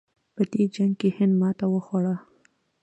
په دې جنګ کې هند ماتې وخوړه.